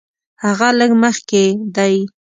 هغه لږ مخکې دی.